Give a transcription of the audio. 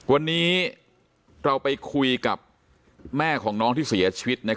วันนี้เราไปคุยกับแม่ของน้องที่เสียชีวิต